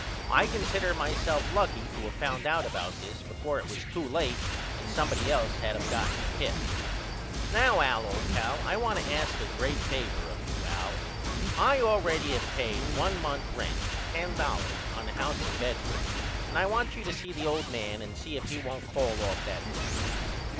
I consider myself lucky to of found out about this before it was too late and somebody else had of gotten the tip. Now Al old pal I want to ask a great favor of you Al. I all ready have payed one month rent $10 on the house in Bedford and I want you to see the old man and see if he won't call off that lease.